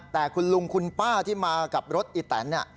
แต่คุณลุงคุณป้าที่มากับรถอีแตน